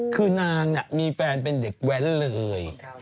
คือนางมีแฟนเป็นเด็กแว้นเลย